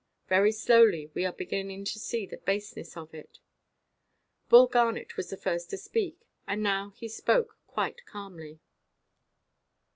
Very slowly we are beginning to see the baseness of it. Bull Garnet was the first to speak, and now he spoke quite calmly.